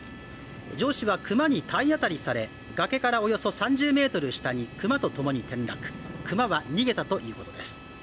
上司はクマに体当りされ崖からおよそ３０メートル下にクマとともに転落クマは逃げたということです